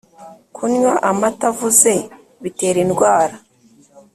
kunywa amata avuze bitera indwara